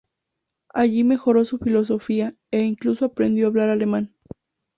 Allí mejoró su filosofía, e incluso aprendió hablar alemán.